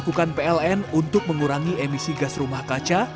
dilakukan pln untuk mengurangi emisi gas rumah kaca